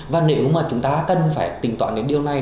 và nếu mà chúng ta cần phải tỉnh toán đến điều này